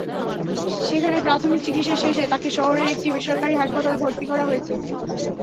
সেখানে প্রাথমিক চিকিৎসা শেষে তাঁকে শহরের একটি বেসরকারি হাসপাতালে ভর্তি করা হয়েছে।